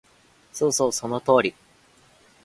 そうそうそうそう、その通り